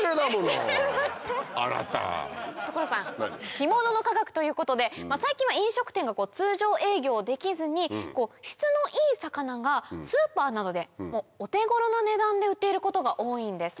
干物の科学ということで最近は飲食店が通常営業できずに質のいい魚がスーパーなどでお手頃な値段で売っていることが多いんです。